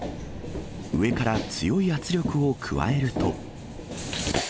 上から強い圧力を加えると。